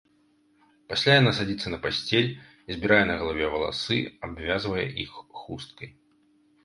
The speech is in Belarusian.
Пасля яна садзіцца на пасцель, збірае на галаве валасы, абвязвае іх хусткай.